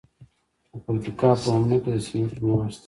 د پکتیکا په اومنه کې د سمنټو مواد شته.